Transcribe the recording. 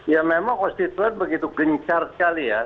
ya memang konstituen begitu gencar sekali ya